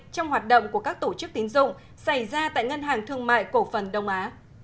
trong hoạt động của các tổ chức tín dụng xảy ra tại ngân hàng thương mại cổ phần đông á